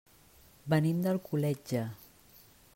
Venim d'Alcoletge.